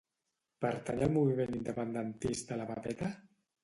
Pertany al moviment independentista la Pepeta?